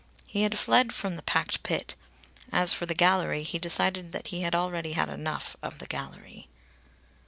He had fled from the packed pit. (As for the gallery, he decided that he had already had enough of the gallery.)